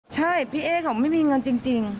ใช่พี่เอ๊เขาไม่มีเงินจริง